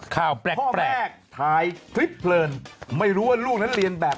ข่าวแปลกถ่ายคลิปเพลินไม่รู้ว่าลูกนั้นเรียนแบบ